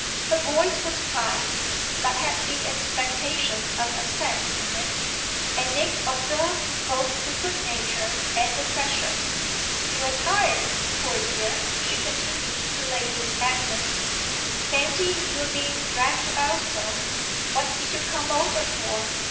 Her voice was kind, but had the expectation of assent in it, and Nick observed both the good nature and the pressure. "You're tired, poor dear," she continued to Lady Agnes. "Fancy your being dragged about so! What did you come over for?"